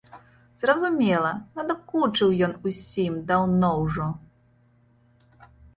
Зразумела, надакучыў ён усім даўно ўжо.